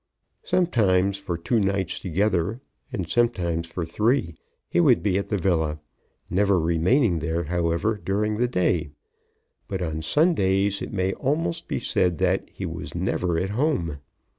Sometimes for two nights together, and sometimes for three, he would be at the villa, never remaining there, however, during the day. But on Sundays it may almost be said that he was never at home.